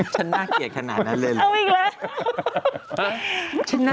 ฉันน่าเกลียดขนาดนั้นเลยเหรอ